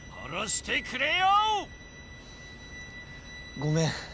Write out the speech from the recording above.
ごめん。